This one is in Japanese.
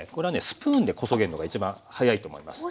スプーンでこそげるのが一番早いと思います。